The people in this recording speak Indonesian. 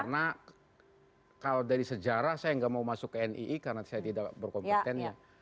karena kalau dari sejarah saya nggak mau masuk ke nii karena saya tidak berkompetensi